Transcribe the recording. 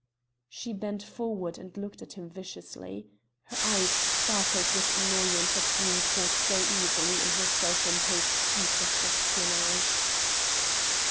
She bent forward and looked at him viciously. Her eyes sparkled with annoyance at being caught so easily in her self imposed piece of espionage.